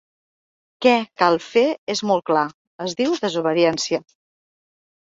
Què cal fer és molt clar, es diu desobediència.